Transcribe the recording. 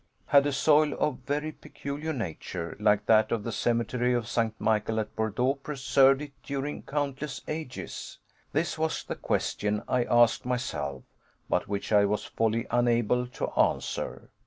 Had a soil of very peculiar nature, like that of the cemetery of St. Michel at Bordeaux, preserved it during countless ages? This was the question I asked myself, but which I was wholly unable to answer.